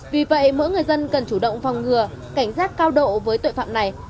vì vậy mỗi người dân cần chủ động phòng ngừa cảnh giác cao độ với tội phạm này